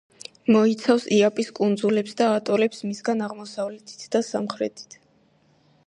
მოიცავს იაპის კუნძულებს და ატოლებს მისგან აღმოსავლეთით და სამხრეთით.